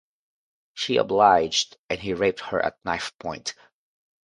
She obliged, and he raped her at knifepoint.